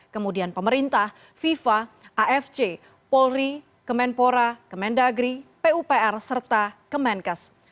kemudian pemerintah fifa afc polri kemenpora kemendagri pupr serta kemenkes